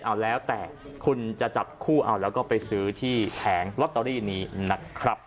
เอาแล้วแต่คุณจะจับคู่เอาแล้วก็ไปซื้อที่แผงลอตเตอรี่นี้นะครับ